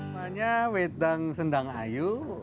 namanya wedang sendang ayu